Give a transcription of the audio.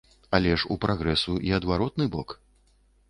Але ж у прагрэсу і адваротны бок.